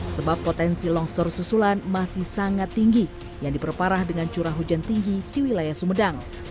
sebab potensi longsor susulan masih sangat tinggi yang diperparah dengan curah hujan tinggi di wilayah sumedang